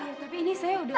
iya tapi ini saya udah